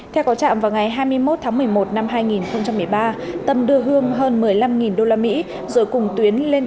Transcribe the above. theo có trạm vào ngày hai mươi một tháng một mươi một năm hai nghìn một mươi ba tâm đưa hương hơn một mươi năm usd rồi cùng tuyến lên